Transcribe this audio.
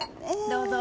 どうぞ。